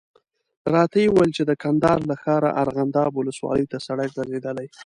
راته یې وویل چې د کندهار له ښاره ارغنداب ولسوالي ته سړک غځېدلی.